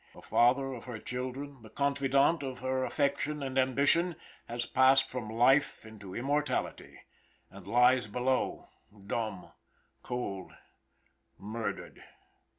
The father of her children, the confidant of her affection and ambition, has passed from life into immortality, and lies below, dumb, cold murdered.